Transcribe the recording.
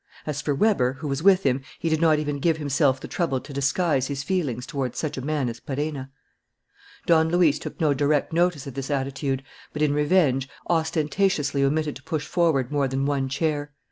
As for Weber, who was with him, he did not even give himself the trouble to disguise his feelings toward such a man as Perenna. Don Luis took no direct notice of this attitude, but, in revenge, ostentatiously omitted to push forward more than one chair. M.